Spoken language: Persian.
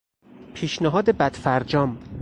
پیشنهاد بد فرجام